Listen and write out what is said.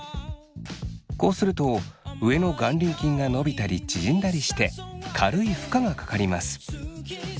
こうすると上の眼輪筋が伸びたり縮んだりして軽い負荷がかかります。